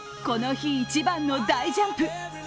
この日一番の大ジャンプ。